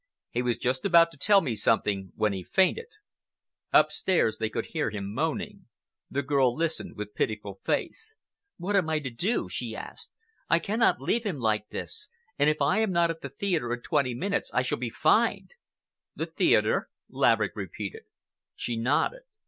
He was just about to tell me something when he fainted." Upstairs they could hear him moaning. The girl listened with pitiful face. "What am I to do?" she asked. "I cannot leave him like this, and if I am not at the theatre in twenty minutes, I shall be fined." "The theatre?" Laverick repeated. She nodded.